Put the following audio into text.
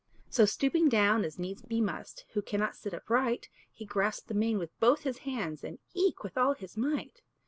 So stooping down, as needs be must Who cannot sit upright, He grasped the mane with both his hands And eke with all his might.